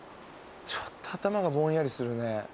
ちょっと頭がぼんやりするね。